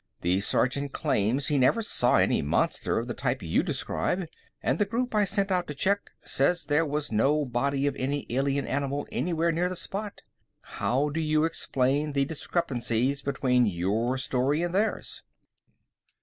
The sergeant claims he never saw any monster of the type you describe, and the group I sent out to check says that there is no body of any alien animal anywhere near the spot. How do you explain the discrepancies between your story and theirs?"